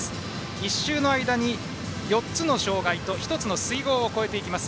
１周の間に４つの障害と１つの水濠を越えていきます。